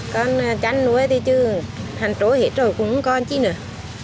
còn chăn lũ thì chưa hành trôi hết rồi cũng không còn chi nữa